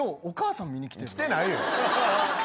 来てないよ。